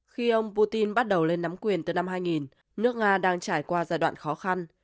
khi ông putin bắt đầu lên nắm quyền từ năm hai nghìn nước nga đang trải qua giai đoạn khó khăn